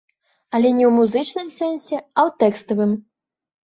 Але не ў музычным сэнсе, а ў тэкставым.